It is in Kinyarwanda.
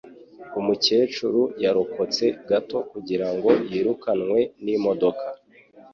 Umukecuru yarokotse gato kugirango yirukanwe n'imodoka